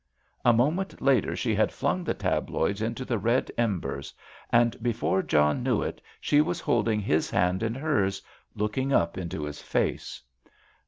A moment later she had flung the tabloids into the red embers, and before John knew it she was holding his hand in hers, looking up into his face.